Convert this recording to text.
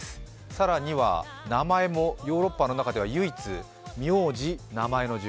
更には名前もヨーロッパの中では唯一名字、名前の順。